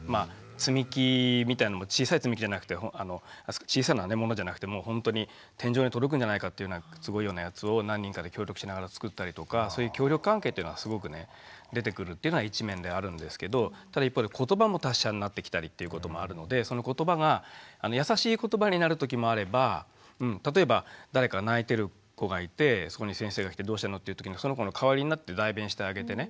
積み木みたいのも小さい積み木じゃなくて小さなものじゃなくてもうほんとに天井に届くんじゃないかっていうようなすごいようなやつを何人かで協力しながら作ったりとかそういう協力関係っていうのはすごくね出てくるっていうのは一面であるんですけどただ一方でことばも達者になってきたりっていうこともあるのでそのことばが優しいことばになる時もあれば例えば誰か泣いてる子がいてそこに先生が来て「どうしたの？」っていう時にその子の代わりになって代弁してあげてね